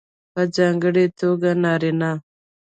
په ځانګړې توګه نارینه